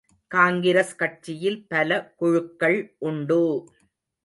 காங்கிரஸ் கட்சியில் பல குழுக்கள் உண்டு!